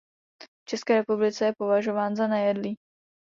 V České republice je považován za nejedlý.